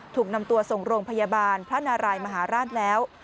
ถูกนำตัวส่งโรงพยาบาลพระนารายมหาราชแล้ว